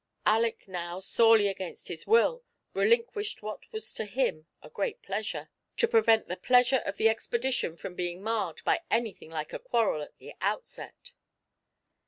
Aleck now, sorely against his will, relinquished what was to him a great pleasure, to prevent the pleasure of the expedition from being marred by anything like a quarrel at the outset.